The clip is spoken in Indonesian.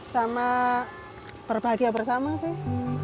sama berbahagia bersama sih